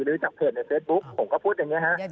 หรือจากเพจในเฟซบุ๊กผมก็พูดอย่างนี้ฮะ